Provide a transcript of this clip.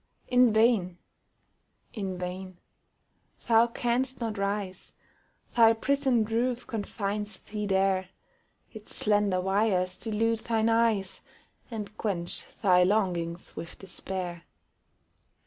In vain in vain! Thou canst not rise: Thy prison roof confines thee there; Its slender wires delude thine eyes, And quench thy longings with despair.